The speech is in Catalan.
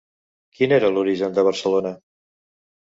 Quin era l'origen de Barcelona?